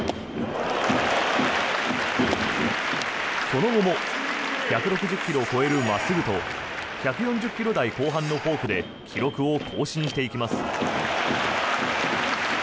その後も１６０ｋｍを超える真っすぐと１４０ｋｍ台後半のフォークで記録を更新していきます。